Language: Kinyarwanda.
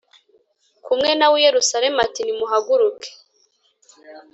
kumwe na we i Yerusalemu ati Nimuhaguruke